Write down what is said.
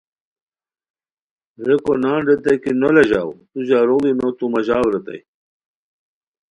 ریکو نان ریتائے کی نولا ژاؤ تو ژاروڑی نو مہ ژاؤ ریتائے